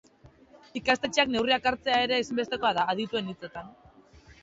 Ikastetxeak neurriak hartzea ere ezinbestekoa da, adituen hitzetan.